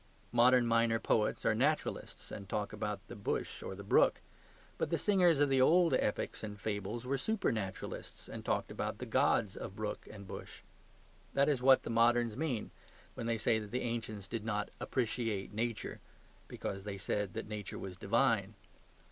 Modern minor poets are naturalists, and talk about the bush or the brook; but the singers of the old epics and fables were supernaturalists, and talked about the gods of brook and bush. That is what the moderns mean when they say that the ancients did not "appreciate Nature," because they said that Nature was divine.